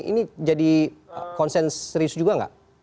ini jadi konsen serius juga nggak